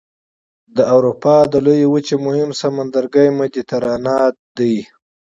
د اروپا د لویې وچې مهم سمندرګی مدیترانه دی.